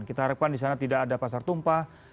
kita harapkan di sana tidak ada pasar tumpah